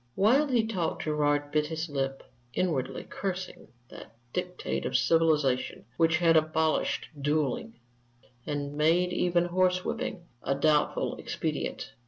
While he talked Gerard bit his lip, inwardly cursing that dictate of civilization which had abolished duelling, and made even horsewhipping a doubtful expedient.